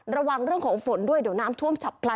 ระวังเรื่องของฝนด้วยเดี๋ยวน้ำท่วมฉับพลัน